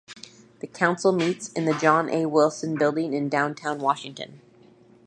The Council meets in the John A. Wilson Building in downtown Washington.